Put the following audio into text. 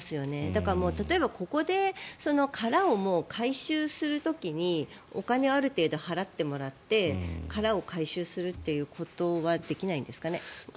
だから、例えばここで殻を回収する時にお金をある程度払ってもらって殻を回収するっていうことはできないんですかね。